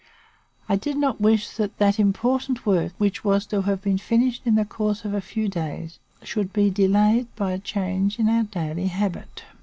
I did not wish that that important work, which was to have been finished in the course of a few days, should be delayed by a change in our daily habit.